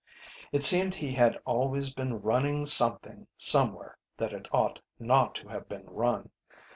It seemed he had always been running something somewhere that it ought not to have been run.